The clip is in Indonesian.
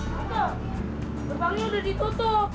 tante berbangnya udah ditutup